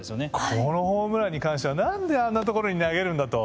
このホームランに関してはなんであんなところに投げるんだと。